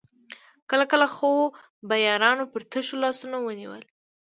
کله کله خو به يارانو پر تشو لاسونو ونيول.